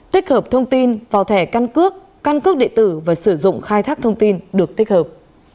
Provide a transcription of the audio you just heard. tích hợp thông tin vào thẻ căn cước căn cước địa tử và sử dụng khai thác thông tin được tích hợp